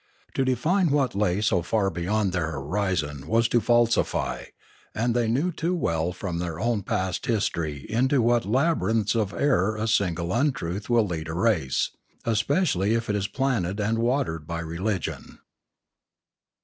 To define what lay so far beyond their horizon was to falsify; and they knew too well from their own past history into what labyrinths of error a single untruth will lead a race, especially if it is planted and watered by religion.